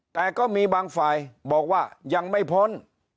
แต่ก็มีบางฝ่ายบอกว่ายังไม่พ้น